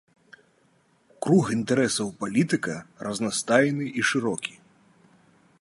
Круг інтарэсаў палітыка разнастайны і шырокі.